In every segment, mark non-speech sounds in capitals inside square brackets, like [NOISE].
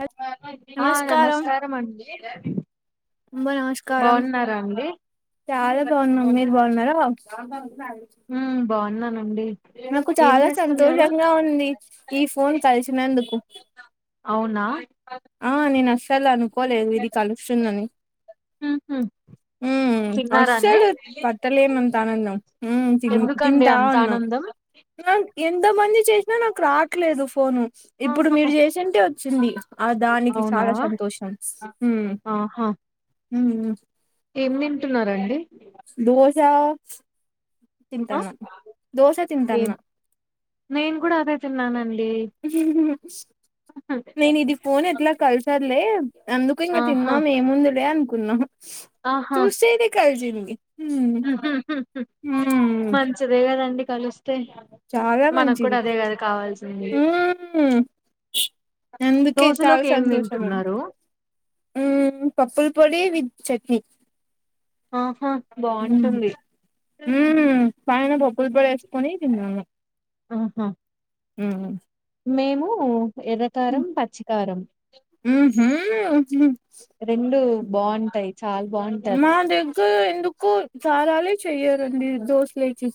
హల్ ఆ నమస్కారం అండి అమ్మ నమస్కారం బాగున్నారా అండి చాలా బాగున్నం మీరు బాగున్నారా ఉ బాగున్నానండి నాకు ఏం చాలా చేస్తున్నారు సంతోషంగా ఉంది ఈ ఫోన్ కలిసినందుకు అవునా ఆ నేను అస్సలు అనుకోలేదు ఇది కలుస్తుందని ఉహు ఉ తిన్నారా అండి అస్సలు పట్టలేనంత ఆనందం ఉ తి ఎందుకండి అంత తింటాఉన్నాం ఆనందం నా ఎంత మంది చేసినా నాకు రావట్లేదు ఫోను ఇప్పుడు ఆహా మీరు చేసింటే వచ్చింది ఆ దానికి అవునా చాలా సంతోషం ఆహా ఏం తింటున్నరండి దోశ ఆ తింటాన దోశ ఏం తింటానా నేను కూడా అదె తిన్నానండి నేను ఇది ఫోన్ ఎట్లా కలిసారులే అందుకు ఇంగ ఆహా తిన్నాం ఏముందిలే అనుకున్నాం ఆహా చూస్తే ఇది కలిసింది హ్మ్ హ్మ్ మంచిదే కదండి కలుస్తే చాలా మంచిది అందుకే చాల దోశలోకి ఏం సంతోషము తింటున్నారు హు పప్పుల పొడి విత్ చట్నీ ఆహా బాగుంటుంది ఉ పైన పప్పుల పొడి ఎసుకొని తిన్నాము ఆహా హు మేము ఎర్రకారం పచ్చికారం ఉ హు రెండు బాగుంటాయి చాల బాగుం మా దగ్గర ఎందుకు సారాలే చెయ్యారండి దోశలకి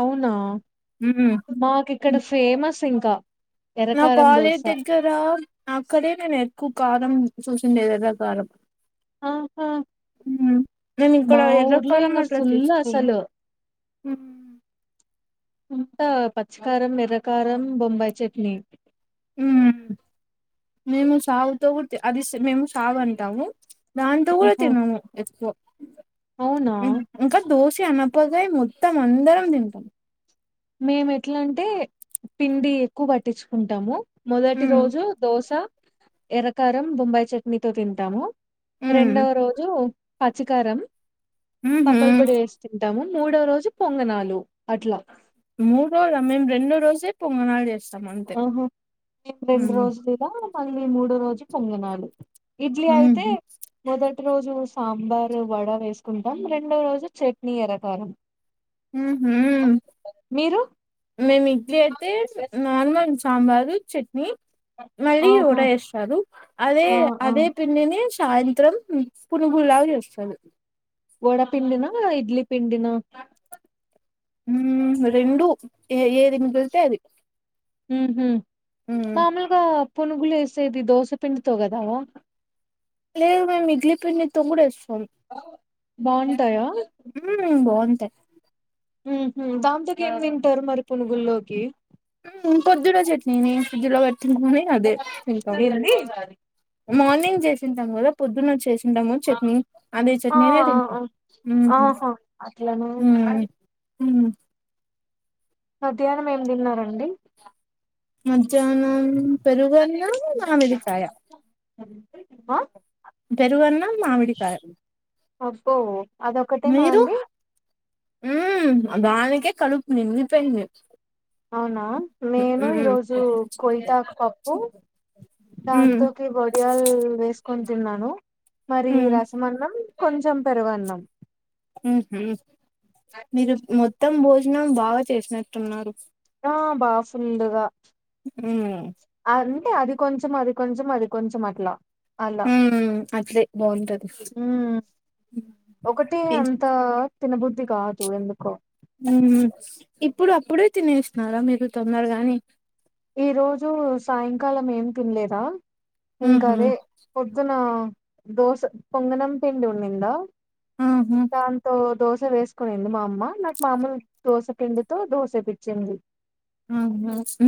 అవునా ఉ హు మాకు ఇక్కడ ఫేమస్ ఇంకా నా ఎర్రకారం కాలేజ్ దోశ దగ్గర అక్కడే నేను ఎక్కువ కారం చూసింది ఎర్ర కారం ఆహా మేము ఇక్కడ మా ఎర్ర ఊర్లో కారం ఇంగ అట్లా ఫుల్ తీసుకోము అసలు అంతా పచ్చకారం ఎర్రకారం బొంబాయి చట్నీ మేము సాగుతో కూ అది మేము సాగు అంటాము దాంతో కూడా ఆహా తినము ఎక్కువ అవునా ఇంకా దోశ అనపోతే మొత్తం అందరం తింటాం మేము ఎట్లా అంటే పిండి ఎక్కువ పట్టించుకుంటాము మొదటి రోజు దోశ ఎర్రకారం బొంబాయి చట్నీతో తింటాము రెండవ రోజు పచ్చికారం పప్పుల పొడి వేస్త తింటాము మూడో రోజు పొంగనాలు అట్లా మూడు రోజల మేం రెండు రోజే పొంగనాలు చేస్తాం అంతే ఓహో మెం రెండు రోజులు ఇల మళ్ళీ మూడో రోజు పొంగినాలు ఇడ్లీ అయితే మొదటి రోజు సాంబార్ వడ వేసుకుంటాం రెండో రోజు చట్నీ ఎరకారం హుహుం మీరు మేము ఇడ్లీ అయితే నార్మల్ సాంబారు చట్నీ మళ్ళీ ఒడ ఆహా వేస్తారు అదే ఆ ఆ అదే పిండిని సాయంత్రం పునుగులాగా చేస్తరు వడపిండిన ఇడ్లీ పిండినా హుం రెండు ఏది మీగిల్తే అది ఉహు మ్మ్ మామూలుగా పునుగులు ఎసేది దోశపిన్డితో గదా లేదండి ఇడ్లి పండితో కూడా వేస్తాం బాగుంటాయా హుం బాగుంటాయి ఉహు దాంతోకి ఏం తింటారు మరి పునుగుల్లోకి హ్మ్ ఇన్కొదూలో చట్నీని ప్రీజులో పెట్టికని అదే తింటాం ఏంది మార్నింగ్ చేసింటాం కదా పొద్దున్న వచ్చేసిాం టాము చట్నీ అదే ఆ చట్నీనే ఆ తింటాము ఆ. ఆహా అట్లనా ఉ మధ్యాహ్నం ఏం తిన్నారండి మధ్యాహ్నం పెరుగన్మం మామిడికాయ అ తెరుగన్న మామిడికాయ అబ్బో అదొకటేనా మీరు అండి హ్మ్ ఆ గాలికె కడుపు నిండిపేయింది అవునా నేను ఈ రోజు హ్మ్ కొయతాకుపప్పు దాంట్లో హ్మ్ కి ఒడియాల్ వేస్ కొనీ తిన్నాను మరి ఈ హ్మ్ రసం అన్నం కొంచెం పెరుగ అన్నం మీరు మొత్తం భోజనం బాగా చేసినట్టున్నారు ఓ బ ఫుల్లుగా హ్మ్ ఆ అంటే అది కొంచెం అది కొంచెం అది కొంచెం అట్లా అలా హ్మ్ అట్లే బాగుంటది హ్మ్ ఒకటి త తిన బుద్ది కాదు ఎందుకో ఇప్పుడు అప్పుడే తినేసినారా మీరు తొందరగానే ఈ రోజు సాయంకాలం ఏం తినలేద ఇంకా ఉహు అదే పొద్దున దోస పొంగనం పిండి ఉందా ఉహు దాంతో దోశ వేసుకునింది మా అమ్మ నాకు మా అమలు దోశ పిండితో దోసే పిచ్చింది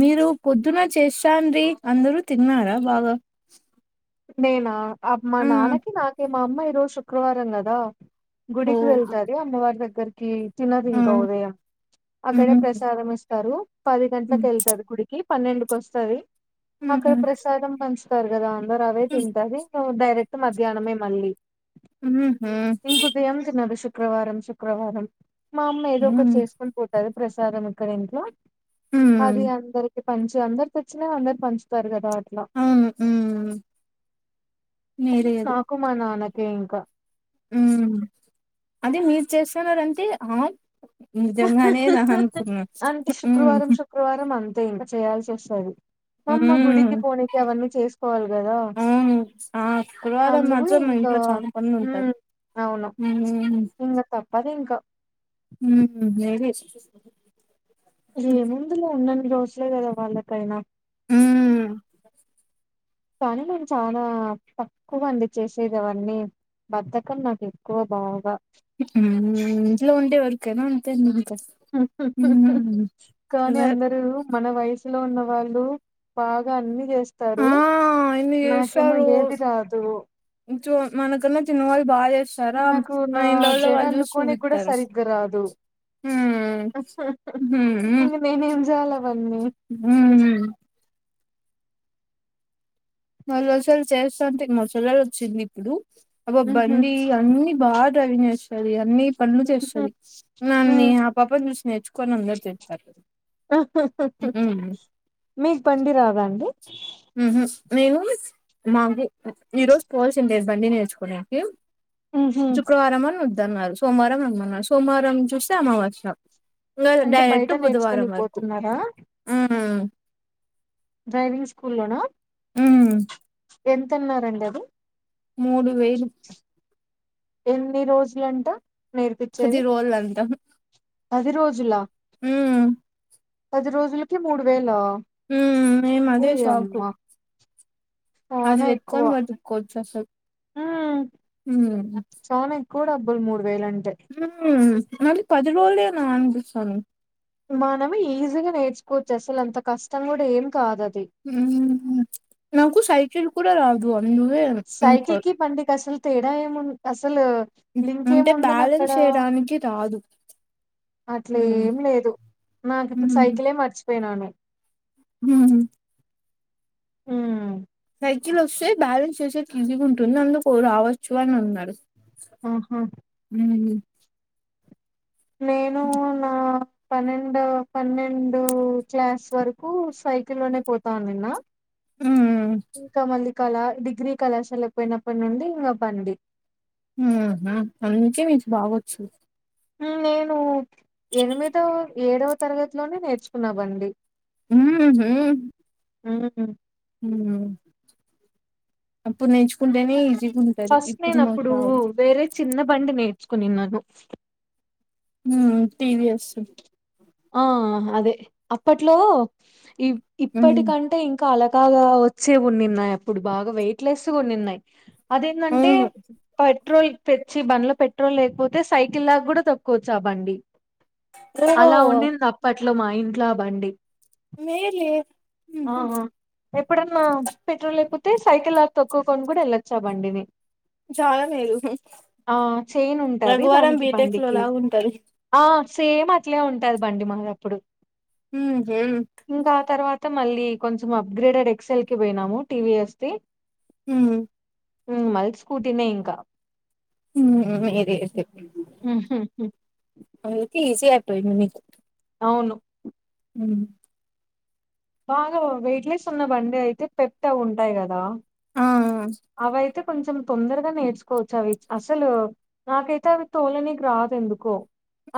మీరు పొద్దున్న చేశాంది అందరు తిన్నారా బాగా నేనా మా ఆ నాన్నకి నాకే మా అమ్మ ఈరోజు శుక్రవారం కదా ఓ గుడికి వెళ్తాది అమ్మవారి దగ్గరికి తినదు ఆ ఇంకా ఉదయం అక్కడే హ్మ్ హ్మ్ ప్రసాదం ఇస్త రు పది హ్మ్ గంటలకి వెళ్తారు గుడికి పన్నెండుకి వస్తది హ్మ్ అక్కడ ప్రసాదం పంచ్ స్తారు కదా అందరు అవే తింటది డైరెక్ట్ మధ్యానమే మళ్ళీ ఉహ్మ్హా ఇంక ఉదయం తినదు శుక్రవారం శుక్రవారం మా అమ్మ ఏదో ఒకటి హ్మ్ చేసుకొని పో హరిప్రసాదము ఇక్కడ ఇంట్లో హ్మ్ అది అందరికి. పంచి అందరికి వచ్చిన అందరూ పంచుతారు కదా అట్లా మ్ మ్మ్ ఆ నేరేదు కు నాన్నకే ఇంకా మ్ అదే మీరు చేస్తున్నారంటే ఆమ్ నిజంగానే రాదు అనుకున్నా అంటే శుక్రవారం శుక్రవారం అంతే ఇంక చేయాల్సి వస్తాది. మాఅమ్మ గుడికి హ్మ్ పోనీకి అవన్నీ చేసుకోవాలి కదా? అవును ఆ శుక్రవారం అందుకు మాత్రం మా ఇంకా ఇంట్లో చాలా పనులు ఉంటాయి. ఉమ్ అవును. హ్మ్ ఇంగ తప్పదు ఇంక మ్ హు ఏ వేసు ఏ ముందిలే ఉన్నన్ని రోజులే కదా వాళ్ళకైనా. మ్ కానీ, మేము చాలా తక్కువ అండి చేసేది అవన్నీ. బద్దకం నాకు ఎక్కువ బాగా హ్మ్ హు ఇంట్లో ఉంటే వర్కేనా అంతేనా ఏం చేస్తావు? హ్ హ్ హ్ కానీ వే అందరూ మన వయసులో ఉన్న వాళ్ళు బాగా అన్నీ ఆ చేస్తారు. ఎన్ని నాకేమో ఏదిరాదు. జో మన కన్నా చిన్నవాళ్ళు బాగా చేస్తున్నారు. నాకు నా మనా ఇండ్ల లో జడ వాళ్ళు చూసుకొని అల్లుకోనికి కూడా ఇత్తారు. సరిగ్గా రాదు మ్ హు మ్ నేనేంజేయలా మ్ మొన్న ఒకసారి చేస్తాంటే మా చెల్లలు వచ్చింది ఇప్పుడు అబ్బా మ్మ్హ్మ్. బండీ అన్నీ బాగా డ్రైవింగ్ చేస్తుంది. అన్నీ పనులు మ్మ్హ్మ్. చేస్తాది. నేన్నన్ని మ్మ్. ఆ పాపని చూసి నేర్చుకోవాల. కానీ అందరూ తిడతారు. ఉహు మీకు బండి రాదాండీ? మ్ హు నేను ఈ రోజు పోవాల్సిండేది బండి నేర్చుకోడానికి. మ్మ్హ్మ్. శుక్రవారం అని వద్దన్నారు. సోమవారం రమ్మన్నారు సోమవారం చూస్తే అమావాస్య. అంటే బయట డైరెక్ట్ నేర్చుకొని బుధవారం వరకు పోతున్నారా మ్ డ్రైవింగ్ స్కూల్లోనా? మ్ ఎంతన్నారండి అది? మూడు వేలు ఎన్ని రోజులంటా పది నేర్పించేది రోజులంట పది రోజులా? మ్ పది రోజులకి మూడు వేలా? మ్ మేము అదే షాక్. ఓయమ్మా అది పెట్టుకొని బతుకోవచ్చు అసలు. మ్ హ్మ్ చానా ఎక్కువ డబ్బులు మూడు వేలు అంటే. మ్ హు మళ్ళీ పది రోజులేనా అనిపిస్తాంది. మనమే ఈజీగా నేర్చుకోవచ్చు అసలు అంత కష్టం కూడా ఏం కాదు అది. ఉమ్ నాకు సైకిల్ కూడా రాదు, అందవే ఉ [UNINTELLIGIBLE] పండికి అసల్ తేడా ఏం ఉంద్, అసలు లింక్ ఏం ఉందని అక్కడ. ఇన్కి రాదు హ్మ్ అట్లేం లేదు, నాకు ఇప్పుడు సైకిలే మర్చిపోయినాను. హుమ్మ్ ఉమ్ సైకిల్ వస్తే బ్యాలెన్స్ చేసేకి ఈజీగా ఉంటుంది, అందుకు రావచ్చు అని అన్నాడు. ఆహా ఉమ్మ్ నేను నా పన్నెండు, పన్నెండు క్లాస్ వరకు సైకిల్ లోనే పోతా ఉండిన్న హ్మ్ ఇంకా మళ్ళీ, కళా డిగ్రీ కళాశాల అయిపోయినప్పటి నుండి ఇంగా బండి. ఉమ్ నా అందుకే మీకు బావొచ్చు. ఉమ్ నేను ఎనిమిదో, ఏడవ తరగతిలోనే నేర్చుకున్నా బండి. ఉమ్మ్ హు ఉమ్మ్ హు ఉమ్ అప్పుడు నేర్చుకుంటేనే ఈజ్ ఫస్ట్ నేన్ అప్పుడు, వేరే చిన్న బండి నేర్చుకోనినాను ఉమ్ టీవీ ఎస్ ఆ హ్ అదే అప్పట్లో హ్మ్ ఇప్పటికంటే ఇం కలకాగా వచ్చే ఉన్నిన్నాయి అప్పుడు బాగా వెయిట్ లెస్ కొన్నిన్నాయి. అదేందాంటే అవును పెట్రోల్ తెచ్చి బండ్లో పెట్రోల్ లేకపోతే సైకిల్ లాగా గుడా తోక్కోచ్చు ఆ బండి. అలా ఓ ఉండింది అప్పట్లో, మా ఇంట్ల బండి మేలే ఉహు ఆహా ఎప్పుడన్నా పెట్రోల్ అయిపోతే సైకిల్ లాగా తొక్కుకొని గుడా ఎళ్ళొచ్చు ఆ బండిని. చాలా మేలు ఆ చైన్ ఉంటది, రఘువరం దానికి బీటెక్ లో బండికి. లాగా ఉంటది ఆ సేమ్ అట్లే ఉంటది బండి మాది అప్పుడు. హుమ్మ్ హెమ్ ఇంకా ఆ తర్వాత మళ్ళీ కొంచెం అప్గ్రేడెడ్ ఎక్సల్ కి పోయినాము టీవీఎస్ ది. హుమ్మ్ ఉమ్ మళ్ స్కూటీనే ఇంకా ఉమ్ [UNINTELLIGIBLE] ఇదే అయితే హుహుహు. అందుకే ఈజీ అయిపోయింది మీకు. అవును ఉమ్ బాగా వెయిట్లేెస్ ఉన్నా బండి అయితే పెద్దగా ఉంటాయి గదా. ఆ ఆ అవైతే కొంచెం తొందరగా నేర్చుకోవచ్చు, అవి అసలు నాకైతే అవి తోలనీక్ రాదు ఎందుకో,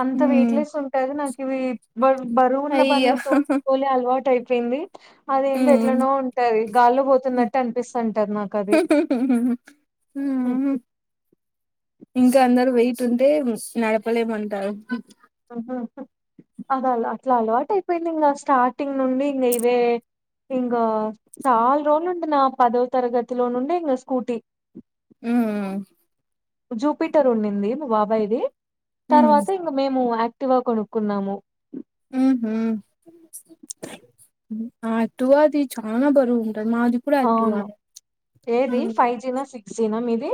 అంత ఉమ్ వెయిట్లెస్ ఉంటే అది నాక్ ఇవి బర్ బరువు వున్న అయ్యో బండ్లు తో తోలే అలవాటు అయిపోయింది. అదేందో ఉమ్ ఎట్లనో ఉంటది, గాల్లో పోతున్నట్టు అనిపిస్తుంటది నాక్ అది. ఉమ్ ఉహు ఇంకా అందరు వెయిట్ ఉంటే నడపలేమంటారు అద అలా అట్లా అలవాట్ అయిపోయింది ఇంగా, స్టార్టింగ్ నుండి ఇంగా ఇవే ఇంగా చాలా రోజులు ఉండిన, నా పదవ తరగతిలో నుండి ఇంగా స్కూటీ. ఉ. జూపిటర్ ఉండింది మా బాబాయ్ది ఉమ్ తర్వాత ఇంక మేము యాక్టివ్ గా కొనుక్కున్నాము. మ్మ్ హు ఆ అటు అది చాల బరువు ఉంటది మాది కూడా అవును యాక్టివానే ఏది ఉమ్ ఫైవ్ జీనా సిక్స్ జనా మీది.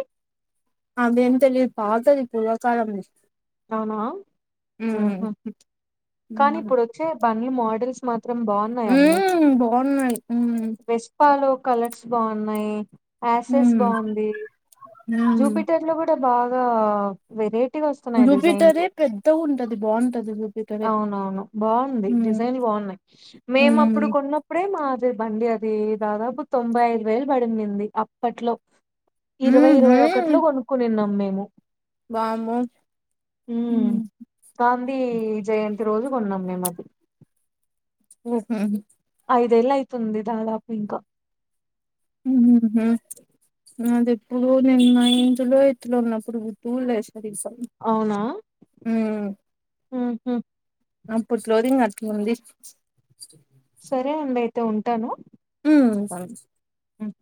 అదేం తెలియదు పాతది పూర్వకాలం అవునా కానీ ఉమ్ ఇప్పుడొద్. చే బండ్లు మోడల్స్ మాత్రం బాగు ఉ బాగున్నాయి ఉ. ప్పాలో కలర్స్ బాగున్నాయి యాసెస్ హ్మ్ బాగుంది హ్మ్ జూపిటర్ లో కూడా. ఎంత బాగా వెరైటీగ వస్. యి జూపిటరే డిజైన్లు పెద్దగుంటది బాగుంటది జూపిటరే అవునవును బాగుంది హ్మ్ డిజైన్లు బాగున్నాయి. మేము అప్పుడు హ్మ్ కొన్న. అప్పుడే మాది బండి అది దాదాపు తొంభై యిదు వేలు పడిందింది అప్పట్లో. ఇరవై హుహూ ఇరవై ఒకటిలో కొనుక్కునిన్నాం మేము వామ్మో హ్మ్. గాంధీ జయంతి రోజు కొన్నాం మేము అది. ఓ హ ఐదేళ్ళ అయితుంది దాదాపు ఇంకా ఉహు ఆ అది ఎప్పుడో నేను మా నైన్త్ లో ఎయిత్ లో ఉన్నప్పుడు [UNINTELLIGIBLE] అవునా ఉహు అప్పుడు స్లోదింగ్ అట్ల ఉంది. సరే అండి అయితే ఉంటాను ఉ సం. ఉహ్